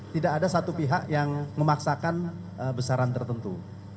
tidak ada satu pihak yang memaksakan besaran tertentu